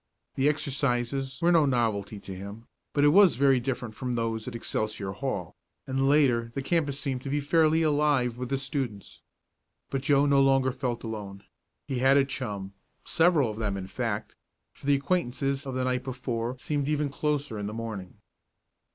The exercises were no novelty to him, but it was very different from those at Excelsior Hall, and later the campus seemed to be fairly alive with the students. But Joe no longer felt alone. He had a chum several of them, in fact, for the acquaintances of the night before seemed even closer in the morning.